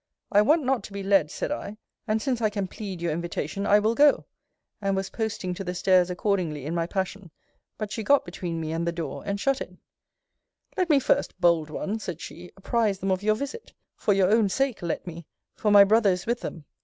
I want not to be led, said I; and since I can plead your invitation, I will go: and was posting to the stairs accordingly in my passion but she got between me and the door, and shut it Let me first, Bold one, said she, apprize them of your visit for your own sake let me for my brother is with them.